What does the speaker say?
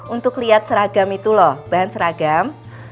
untuk lihat seragam itu loh bahan seragam